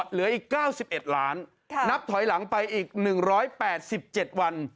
เหลืออีก๙๑ล้านนับถอยหลังไปอีก๑๘๗วัน